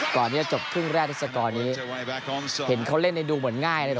ก่อนนี้จะจบพึ่งแรกโทรศกรณ์นี้เห็นเขาเล่นในดวงเหมือนงี้นะครับ